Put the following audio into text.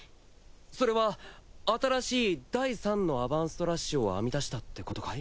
それは新しい第３のアバンストラッシュを編み出したってことかい？